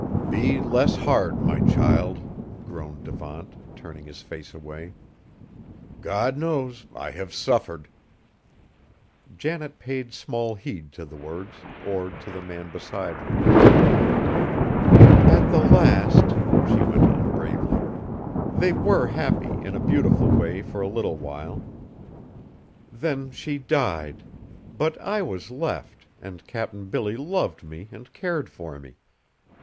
"Be less hard, my child," groaned Devant, turning his face away; "God knows, I have suffered!" Janet paid small heed to the words, or to the man beside her. "At the last," she went on bravely, "they were happy in a beautiful way for a little while. Then she died! But I was left, and Cap'n Billy loved me, and cared for me.